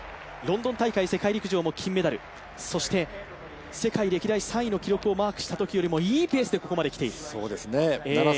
ロンドン大会世界陸上も金メダル、そして世界歴代３位の記録をマークしたときよりもいいペースできている。